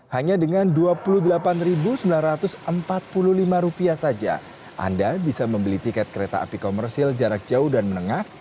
hanya dengan rp dua puluh delapan sembilan ratus empat puluh lima saja anda bisa membeli tiket kereta api komersil jarak jauh dan menengah